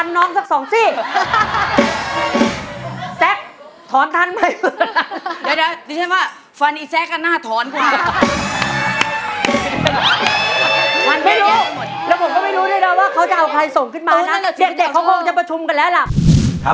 เด็กก็คงจะประชุมแล้วล่ะ